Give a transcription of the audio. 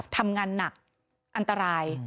ทำงานหนักอันตราย